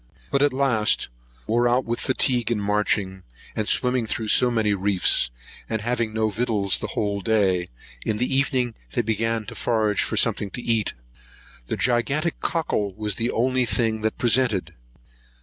But at last, wore out with fatigue in marching, and swimming through so many reefs, and having no victuals the whole day, in the evening they began to forage for something to eat. The gigantic cockle was the only thing that presented.